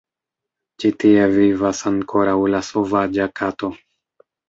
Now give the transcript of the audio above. Ĉi tie vivas ankoraŭ la sovaĝa kato.